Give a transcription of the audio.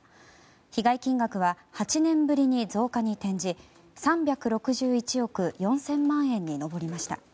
被害金額は８年ぶりに増加に転じ３６１億４０００万円に上りました。